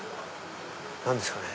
何ですかね？